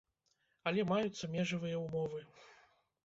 Але маюцца межавыя ўмовы.